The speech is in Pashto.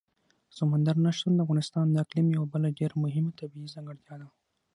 سمندر نه شتون د افغانستان د اقلیم یوه بله ډېره مهمه طبیعي ځانګړتیا ده.